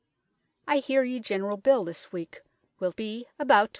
I heare ye generall bill this week wilbee about 2500.